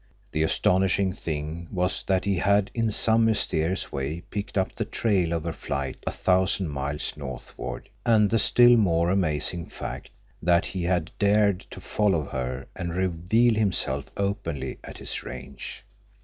The astonishing thing was that he had in some mysterious way picked up the trail of her flight a thousand miles northward, and the still more amazing fact that he had dared to follow her and reveal himself openly at his range.